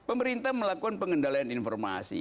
pemerintah melakukan pengendalian informasi